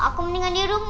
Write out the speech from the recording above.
aku mendingan di rumah